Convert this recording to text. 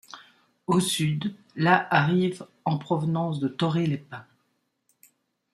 Au sud, la arrive en provenance de Thorée-les-Pins.